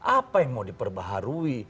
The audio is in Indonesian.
apa yang mau diperbaharui